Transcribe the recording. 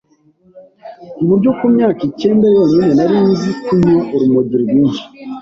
ku buryo ku myaka icyenda yonyine nari nzi kunywa urumogi rwinshi,